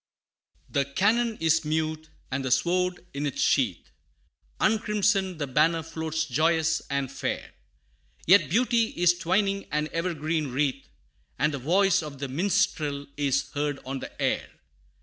The cannon is mute and the sword in its sheath Uncrimsoned the banner floats joyous and fair: Yet beauty is twining an evergreen wreath, And the voice of the minstrel is heard on the air.